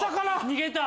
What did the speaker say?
逃げた。